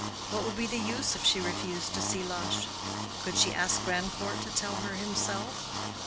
What would be the use if she refused to see Lush? Could she ask Grandcourt to tell her himself?